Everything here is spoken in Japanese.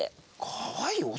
かわいい？